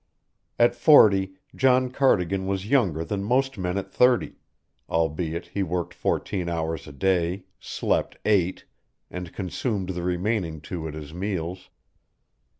At forty John Cardigan was younger than most men at thirty, albeit he worked fourteen hours a day, slept eight, and consumed the remaining two at his meals.